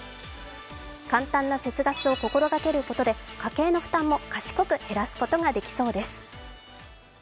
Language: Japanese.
簡単な節ガスを心がけることで家計の負担も賢く減らすことができそうです。